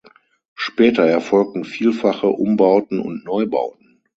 Später erfolgten vielfache Umbauten und Neubauten.